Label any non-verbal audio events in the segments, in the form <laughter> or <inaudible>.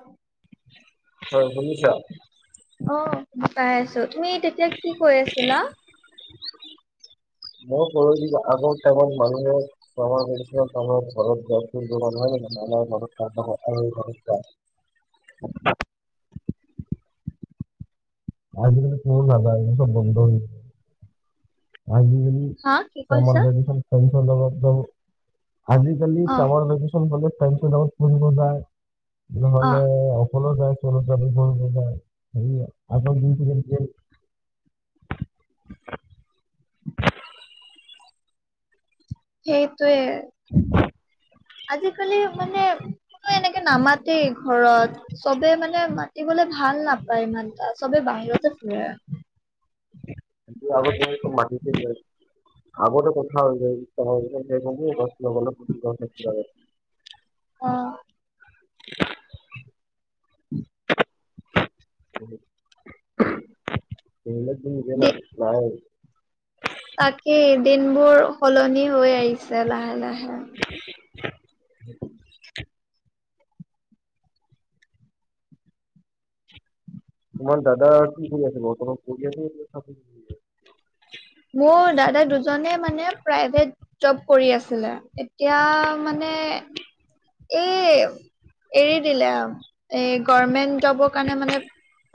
অ ', হয় শুনিছ? অ, পাই আছো তুমি তেতিয়া কি কৈ আছিলা? মই ক আগৰ টাইমত মানুহে চামা ভিকেচনত তোমাৰ ঘৰত নহয় ঘৰত ৰাম। <unintelligible> উ <unintelligible> আজি মালি কত লালা আজি চব বন্ধ হয়, আজিকালি হা কি চামাৰ কৈছা ভেকেচন টাইম চত আজিকালি অ চামাৰ ভেকেচন তাইমচ লগত ফুৰিব যায় অ নহ'লে চল যায় চল যাব যায় আগৰ সেইটোৱে। <inaudible> আজিকালি মানে ক এনেকে নামাত দেই ঘৰত চবে মানে মাতিবলে ভাল নাপা বাইমান সবেই বাহিৰতে ফুৰে। আগত যে মাটিতে যে আগ গোতে কথা যায় প। <unintelligible> অ', <inaudible> ইলে দি <unintelligible> ন গ ন দে ন তাকেই দিনবোৰ সলনি হৈ আহিছে লাহে - লাহে। <inaudible> তোমাৰ দাদা আৰু কি কৰি আছে বৰ্তমান আছে। মোৰ দাদা দুজনে মানে প্ৰাইভেট জব কৰি আছিলে এতিয়া মানে এই এৰি দিলে এ গৰ্মেন্ট জবৰ কাৰণে মানে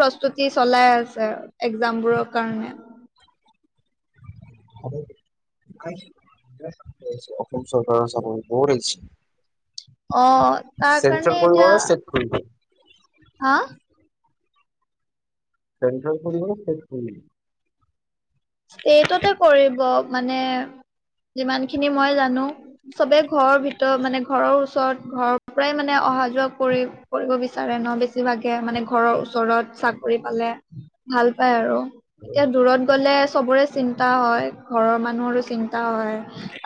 প্ৰস্তুতি চলাই আছে একজাম বোৰৰ কাৰণে। <unintelligible> অসম চৰকাৰৰ চাকৰি বহুত আহিছে। অ, তাৰ চেন্ট্ৰেল কাৰণে কৰিব এতিয়া <unintelligible> আহ? <unintelligible> ষ্টেটতে কৰিব মানে যিমান খিনি মই জানো। চবে ঘৰৰ ভিতৰত মানে ঘৰৰ ওচৰত ঘৰ প্ৰায় মানে অহা যোৱা কৰি কৰিব বিচাৰে ন' বেছিভাগে মানে ঘৰৰ ওচৰত চাকৰি পালে। ভাল পাই আৰু এতিয়া দূৰত গ'লে চবৰে চিন্তা হয় ঘৰৰ মানুহৰো চিন্তা হয়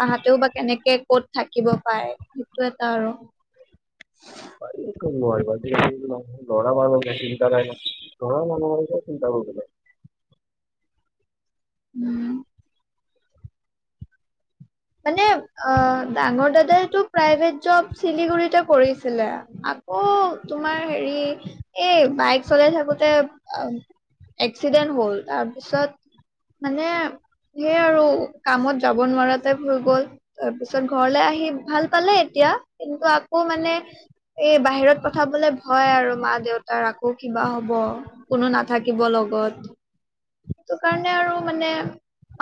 তাহাতেও বা কেনেকে ক'ত থাকিব পাৰে সেইটো এটা আৰু পাৰি কিয় নোৱাৰিবা আজিকালিৰ নহ। ল'ৰা মানুহৰে চিন্তা নাই না ল'ৰামনুহৰ কিয় চিন্তা কৰিব লাগে। উম, মানে অ, ডাঙৰ দাদাইটো প্ৰাইভেট জব চিলিগুৰিতে কৰিছিলে। আকৌ তোমাৰ হেৰি এই বাইক চলাই থাকোতে এক্সিডেণ্ট হ'ল তাৰপিছত মানে সে আৰু কামত যাব নোৱাৰাত <unintelligible> গ'ল তাৰপিছত ঘৰলে আহি ভাল পালে এতিয়া কিন্তু আকৌ মানে এই বাহিৰত পঠাবলে ভয় আৰু মা -দেউতাৰ আকৌ কিবা হ'ব। কোনো নাথাকিব লগত। সেইটো কাৰণে আৰু মানে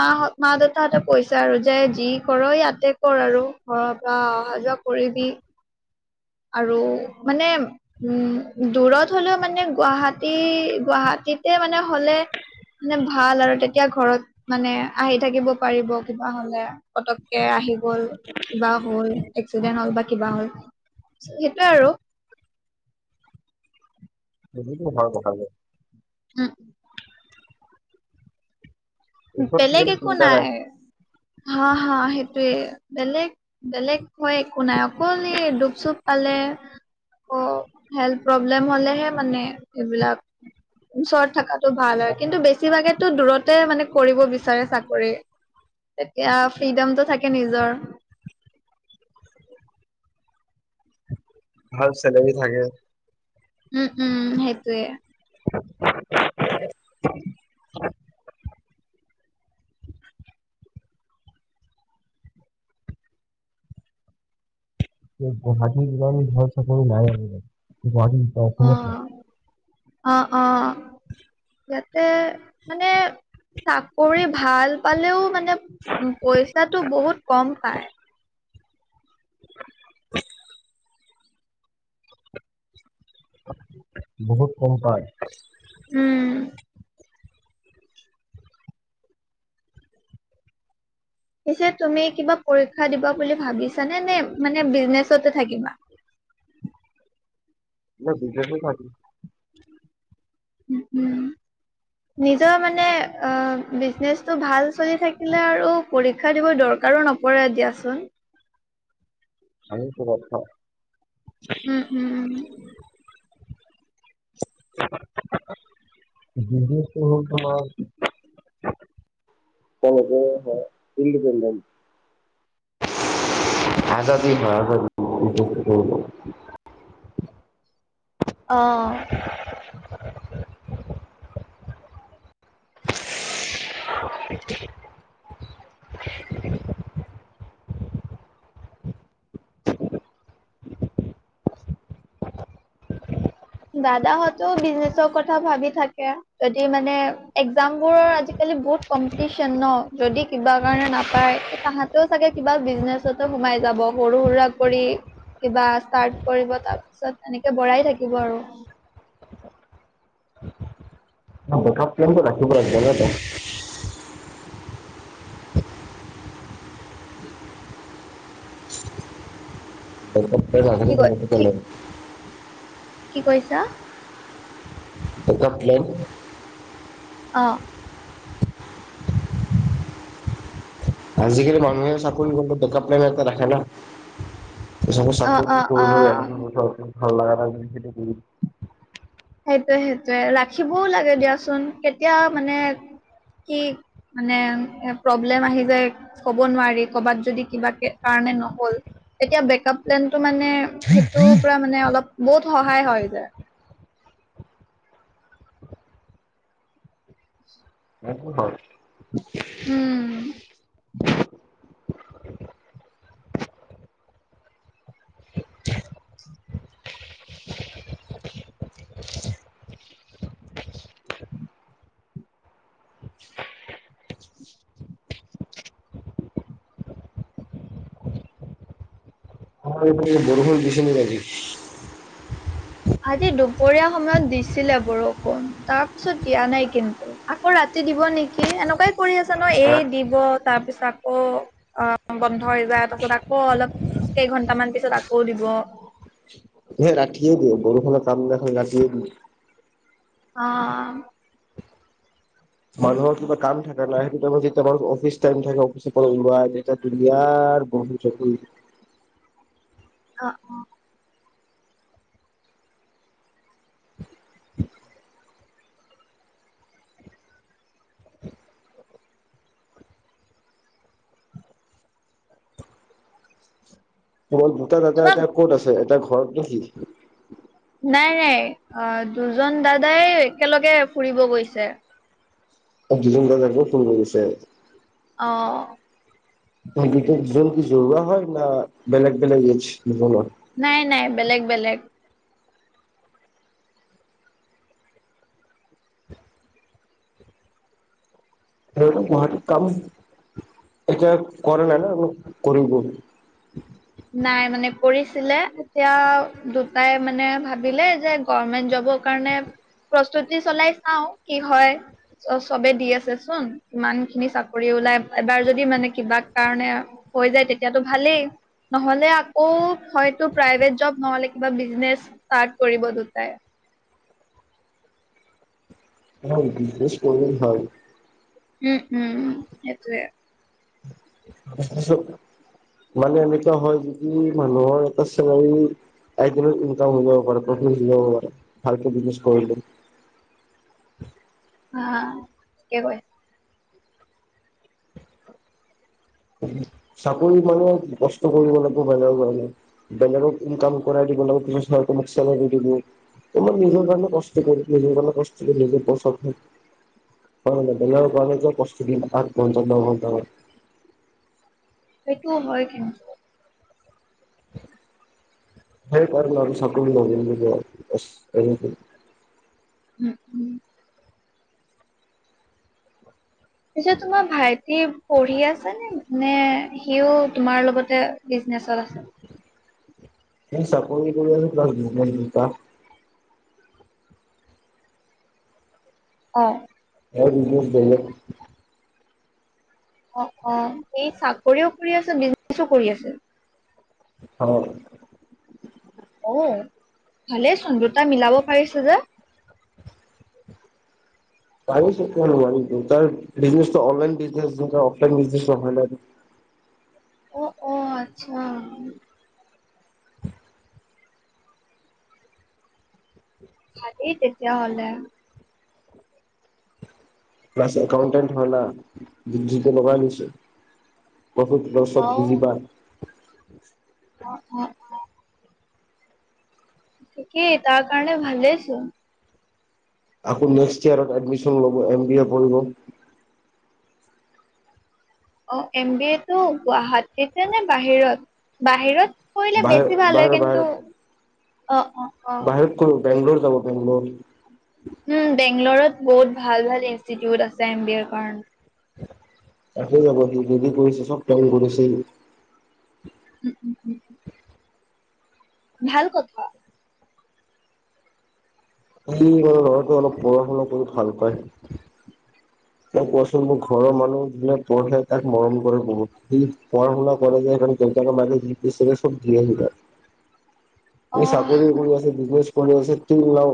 মাহত মা- দেউতাহতে পইছা আৰু তে যি কৰ ইয়াতে কৰ আৰু ঘৰৰ পৰা অহা যোৱা কৰিবি আৰু মানে উম দূৰত হলেও মানে গুৱাহাটী -গুৱাহাটীতে মানে হ'লে মানে ভাল আৰু তেতিয়া ঘৰত মানে আহি থাকিব পাৰিব কিবা হ'লে পতককে আহিব আৰু। কিবা হ'ল এক্সিডেণ্ট হ'ল বা কিবা হ'ল সেইটোৱে আৰু। সেটোটো হয় বকালে <unintelligible> ওচৰত বেলেগ থাকিলে একো চিন্তা নাই হা- হা সেইটোৱে বেলেগ বেলেগ হয় একো নাই অকল এ দুখ- চুখ পালে অ, হেল্থ প্ৰব্লেম হ'লেহে মানে এইবিলাক ওচৰত থকাটো ভাল হয় কিন্তু বেছিভাগে টো দূৰতে মানে কৰিব বিচাৰে চাকৰি তেতিয়া ফ্ৰীডমতটো থাকে নিজৰ। ভাল চেলেৰী থাকে। উম -উম সেটোৱে। এ গুৱাহাটীৰ ইমান ভাল চাকৰি নাই আজিকালি গুৱাহাটী <unintelligible> অ অসমত নাই। অ', অ', ইয়াতে মানে চাকৰি ভাল পালেও মানে পইচাটো বহুত কম পায়। বহুত কম পায়। উম, পিছে তুমি কিবা পৰীক্ষা দিবা বুলি ভাবিছানে নে মানে বিজনেচতে থাকিবা? <unintelligible> বিজনেচে থাকিম। উ, উম। নিজৰ মানে অ, বিজনেচটো ভাল চলি থাকিলে আৰু পৰীক্ষা দিব দৰকাৰো নপৰে দিয়াচোন। আৰু কিবা খাওঁ। উম উম উম উ বিজনেছটো হ'ল তোমাৰ তক ইণ্ডিপেণ্ডেণ্ট আজাদী হয় আজাদী অ দাদাহতো বিজনেছৰ কথা ভাবি থাকে যদি মানে এক্জাম বোৰৰ আজিকালি বহুত কম্পিটিচন ন যদি কিবা কাৰণে নাপায় তে তাহাঁতেও চাগে কিবা বিজনেছতো সোমাই যাব সৰু সুৰা কৰি কিবা ষ্টাৰ্ট কৰিব তাৰ পিছত এনেকে বঢ়াই থাকিব আৰু বেকআপ প্লেনটো ৰাখিব লাগে নহয় জানো উ কি ক কি <unintelligible> কি কৈছা? বেকআপ প্লেন অ আজিকালি মানুহে চাকৰি কৰিলেও বেকআপ প্লেন এটা ৰাখে ন সব অ অ চাকৰি অ কৰিলেও ভাল লাগা নাই বুলি এৰি দি সেইটোৱে সেইটোৱে ৰাখিবও লাগে দিয়াচোন কেতিয়া মানে কি মানে এ প্ৰব্লেম আহি যায় ক'ব নোৱাৰি কবাত যদি কিবা কে কাৰণে নহ'ল। এতিয়া বেকআপ প্লেনটো মানে সেইটো পৰা মানে অলপ বহুত সহায় হয় যা। সেটো হয়। উম। তোমাৰ সেইফালে বৰুষুণ দিছে নেকি আজি? আজি দুপৰীয়া সময়ত দিছিলে বৰষুণ তাৰ পিছত দিয়া নাই কিন্তু। আকৌ ৰাতি দিব নেকি এনেকুৱাই কৰি আছে ন এই দিব তাৰ পিছত আকৌ অঁ বন্ধ হৈ যায় তাছত আকৌ অলপ কেইঘন্টামান পিছত আকৌ দিব। য়ে ৰাটিয়ে দিয়ে বৰষুণৰ কামনাখন ৰাতিয়ে দিয়ে। অঁ অঁ। মানুহৰ কিবা কাম থাকে না সেইটো টাইমত যে তাবাৰ অফিচ টাইম থাকে অফিচৰ পৰা ওলোৱা তেতিয়া লীয়াৰ বহুত চকুইত। অঁ অ। ওৱল দুটা দাদা তোমাৰ এতিয়া ক'ত আছে এটা ঘৰত নেকি। নাই নাই অঁ দুজন দাদাই একেলগে ফুৰিব গৈছে। অ দুজন দাদাই ক'ত ফুৰিব গৈছে? অঁ। অ দুজ দুজন কি জৰুৱা হয় না বেলেগ বেলেগ এইডচ দুজনৰ। নাই নাই বেলেগ বেলেগ। সিহঁতে গুৱাহাটীত কাম এতিয়া কৰে নাই না ওক কৰিব। নাই মানে কৰিছিলে এতিয়া দুটাই মানে ভাবিলে যে গমেন্ট জবৰ কাৰণে প্ৰস্তুতি চলাই চাঁও কি হয়। ত চবে দি আছে চোন ইমান খিনি চাকৰি ওলাই এবাৰ যদি মানে কিবা কাৰণে হৈ যায় তেতিয়াতো ভালেই। নহলে আকৌ হয়তো প্ৰাইভেট জব নহলে কিবা বিজনেচ ষ্টাৰ্ট কৰিব দুটাই। ন বিজনেছ কৰিলে ভাল। উম উম সেইটোয়ে। মানে এনেকুৱা হয় যিদি মানুহৰ এটা চেলাৰী আইকিনে ইনকাম হৈ যাব পাৰে পফিত হৈ যাব পাৰে ভালকে বিজনেজ কৰিলে। হাঁ ঠিকে কয়। চাকৰি মানে কষ্ট কৰিব লাগাটো বাইনাৰ কাৰণে। বেলেগক ইনকাম কৰাই দিব লেক ট্ৰিছ মানে মোক চেলাৰি দিব। <unintelligible> তোমাক নিজৰ কাৰণে কষ্ট কৰিছিল সেইকাৰণে পষ্টি গলি নিজে পচাত হয়। হয় মানে বেলেগ কাৱনে যে প্ৰস্তুতি আঠ ঘণ্টা ন ঘণ্টা মান। সেইটো হয় কিন্তু। সেইকাৰণে আৰু চাকৰি লগিং দিব বচ এৰিবি। <unintelligible> উম উম। পিছে তোমাৰ ভাইটি পঢ়ি আছে নে নে সিও তোমাৰ লগতে বিজনেচত আছে। সি চাকৰি কৰি আছে তাৰ বিজনেছ দুটা। অ এয়াৰ বিজনেজ বেলেগ। অ অ এই চাকৰিও কৰি আছে, বিজনেচো কৰি আছে। হয়। অ ভালেই চোন দুটা মিলাব পাৰিছে যে। পাৰি সি কিয় নোৱাৰিব তাৰ বিজনেছটো অনলাইন বিজনেজ যে অফলাইন বিজনে নহয় ন এইটো। অ অ আচ্ছা। ভালে তেতিয়া হ'লে। প্লাছ একাউটেন্ট হয় না ডিগ্ৰি টো লগাই আনিছে। বহুত লচত অ বুজিবা। <unintelligible> অ অ। অ, থিকেই তাৰ কাৰণে ভালেইছোন। আকৌ নেক্সট য়েৰত এডমিছন লব এম বি এ পঢ়িব। অ এম বি এ টো গুৱাহাটী নে বাহিৰত বাহিৰত? কৰিলে বাহিৰ বেছি ভাল হয়। বাহিৰ কিন্তু, বাহিৰত অ অ। অ বাহিৰত কৰিব বেঙ্গলৰ যাব বেঙ্গলৰ। উম বেংগলৰত বহুত ভাল ভাল ইনষ্টিটিউট আছে এম বি এৰ কাৰণে। আকৌ যাব সি যদি কৰিছে চব প্লেন কৰিছে সি উম উম উম। ভাল কথা। সি ক লৰাটো অলপ পঢ়া-শুনা কৰি ভাল পায়। ন কোৱাচোন মোৰ ঘৰৰ মানুহ যোনে পঢ়ে তাক মৰম কৰে বহুত। সি পঢ়া-শুনা কৰে যে সেই কাৰণে দেউতাকে মাকে যি টি লাগে চব দিয়েই সি তাক সি‌ অহ, চাকৰি কৰি আছে বিজনেছ কৰি আছে। কিন লও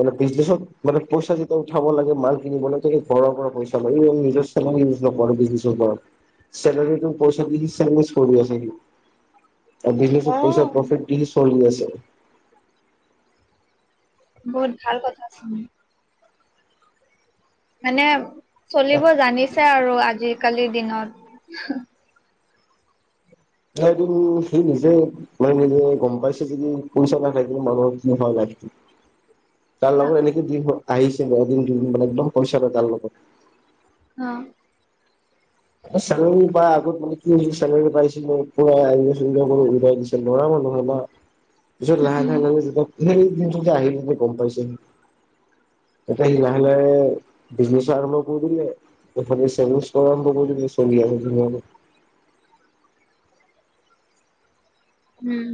মানে বিজনেছত মানে পইচা যেতিয়া উঠাব লাগে মাল কিনিব লাগে ঘৰ পৰা পইচা লয়। নিজৰ চেলাৰী ইউজ নকৰে, বিজনেছৰ ওপৰত চেলাৰীটো পইচাটো সি চেভিংছ কৰি আছে সি। আৰু বিজনেছ পইচা অহ, প্ৰফিট খিনি চলি আছে। বহুত ভাল কথা ছোন। মানে চলিব জানিছে আৰু আজিকালিৰ দিনত। এইটো সি নিজে লয় মেলি গম পাইছো যদি পইচা নাথাকে মানুহৰ কি হৈ লাইফটো। তাৰ অ', লগত এনেকে দিন আহিছে এদিন-দুদিন মানে একদম পইচা তাৰ লগত অ। চেলেৰী পাই আগত মানে কি হৈছিল চেলেৰী পাইছিল পোৰা ইনজয় চিনজয় কৰি উৰাই দিছিল লৰা মানুহে হয় ন। পিছত লাহে উম, লাহে লাগে যেতিয়া সেই দিনটোত আহিলে গম পাইছে সি এতিয়া সি লাহে লাহে বিজনেচ আৰম্ভ কৰি দিলে। এফালে চেভিংছৰ কৰা আৰম্ভ কৰি দিলে, চলি আছে ধুনীয়াকে উম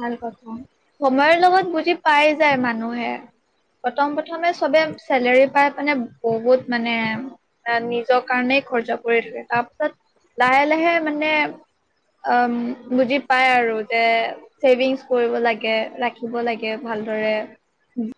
ভাল কথা সময়ৰ লগত বুজি পাই যায় মানুহে। প্ৰথম প্ৰথমে চবে চেলেৰী পাই মানে বহুত মানে আহ নিজৰ কাৰণেই খৰচা কৰি থাকে তাৰপিছত লাহে লাহে মানে অহ বুজি পাই পাই আৰু যে ছেভিংচ কৰিব লাগে ৰাখিব লাগে ভালদৰে